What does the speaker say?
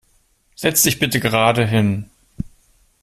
Setz dich bitte gerade hin!